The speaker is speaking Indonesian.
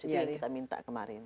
jadi kita minta kemarin